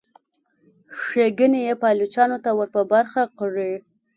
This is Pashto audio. ښېګڼې یې پایلوچانو ته ور په برخه کړي.